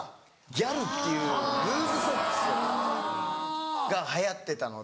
ギャルっていうルーズソックスが流行ってたので。